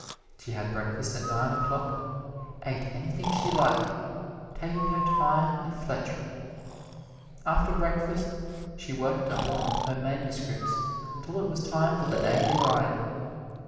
She had breakfast at nine o'clock ate anything she liked, taking her time and fletcherizing. After breakfast she worked upon her manuscripts until it was time for the daily ride.